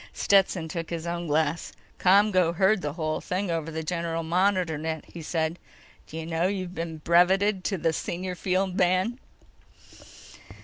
Stetson took his own glass. "ComGO heard the whole thing over the general monitor net," he said. "D'you know you've been breveted to senior field man?"